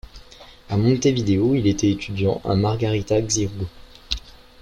À Montevideo, il était étudiant à Margarita Xirgu.